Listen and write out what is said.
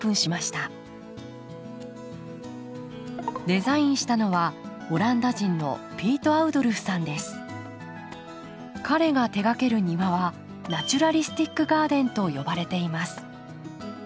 デザインしたのはオランダ人の彼が手がける庭はナチュラリスティック・ガーデンと呼ばれています。